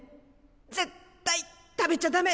絶対食べちゃダメ！